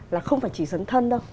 là không phải chỉ dấn thân đâu